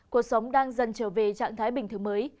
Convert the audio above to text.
cuộc sống đang dần trở về trạng thái bình thường mới